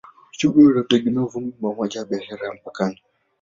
Uchumi unategemea uvuvi pamoja na biashara ya mpakani.